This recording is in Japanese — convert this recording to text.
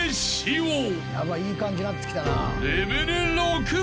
［レベル６］